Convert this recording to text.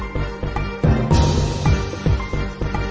กินโทษส่องแล้วอย่างนี้ก็ได้